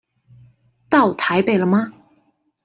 到台北了嗎？